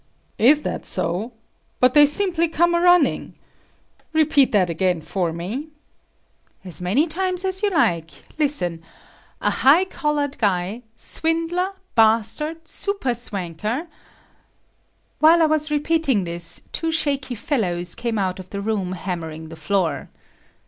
"Is that so? But they simply come a running. Repeat that again for me." "As many times as you like. Listen,—a high collared guy, swindler, bastard, super swanker …" While I was repeating this, two shaky fellows came out of the room hammering the floor.